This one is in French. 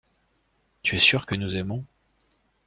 Tu es sûr que nous aimons.